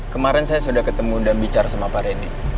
kemarin saya sudah ketemu dan bicara sama pak rendy